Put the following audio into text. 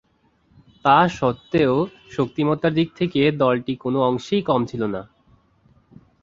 তাসত্ত্বেও শক্তিমত্তার দিক থেকে দলটি কোন অংশেই কম ছিল না।